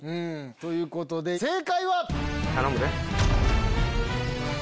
ということで正解は⁉頼むで。